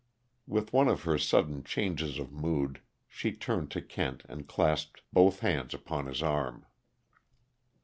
With one of her sudden changes of mood, she turned to Kent and clasped both hands upon his arm.